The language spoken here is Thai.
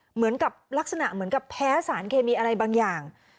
เหมือนกับลักษณะเหมือนกับแพ้สารเคมีอะไรบางอย่าง